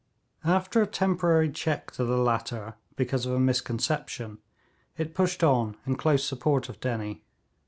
After a temporary check to the latter, because of a misconception, it pushed on in close support of Dennie.